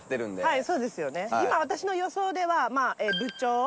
はい。